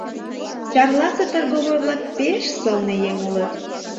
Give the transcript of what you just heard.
Чарласе торговой-влак пе-еш сылне еҥ улыт.